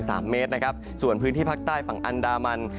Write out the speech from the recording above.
ส่วนในบริเวณพักใต้ฝั่งอัลดามัน